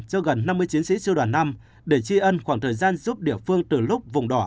cho gần năm mươi chiến sĩ sư đoàn năm để tri ân khoảng thời gian giúp địa phương từ lúc vùng đỏ